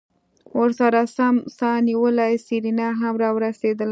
ورسرہ سم سا نيولې سېرېنا هم راورسېدله.